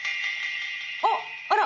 あっあら